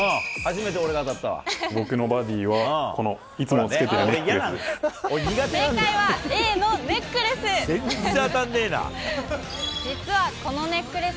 僕のバディは、このいつもつ正解はＡのネックレス。